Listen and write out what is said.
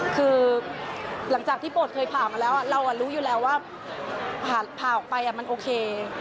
คือหลังจากที่บทเคยผ่ามาแล้วเรารู้อยู่แล้วว่าผ่าออกไปมันโอเค